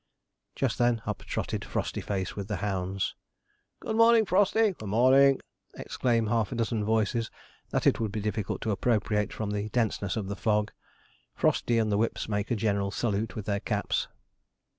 Just then up trotted Frostyface with the hounds. 'Good morning, Frosty! good morning!' exclaim half a dozen voices, that it would be difficult to appropriate from the denseness of the fog. Frosty and the whips make a general salute with their caps.